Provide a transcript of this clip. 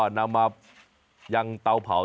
ที่จังหวัดอุตรดิษฐ์บริเวณสวนหลังบ้านต่อไปครับ